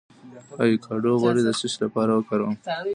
د ایوکاډو غوړي د څه لپاره وکاروم؟